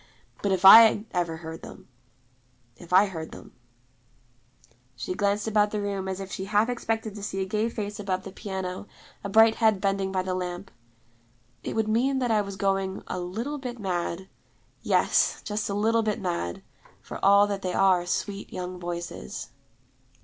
But if I heard them if I heard them, ' she glanced about the room as if she half expected to see a gay face above the piano, a bright head bending by the lamp, 'it would mean that I was going a little bit mad: yes, just a little bit mad, for all that they are sweet, young voices.'